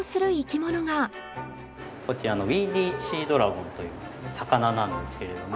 こちらウィーディシードラゴンという魚なんですけれども。